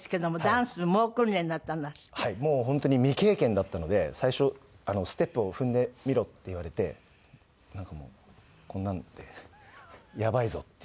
もう本当に未経験だったので最初「ステップを踏んでみろ」って言われてなんかもうこんなんでやばいぞっていう風になって。